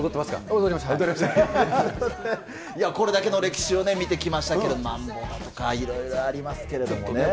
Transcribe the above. これだけの歴史を見てきましたけど、マンボだとか、いろいろありますけれどもね。